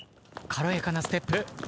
軽やかなステップ。